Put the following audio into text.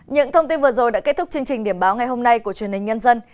những thông tin vừa rồi đã kết thúc chương trình điểm báo ngày hôm nay của truyền hình nhân dân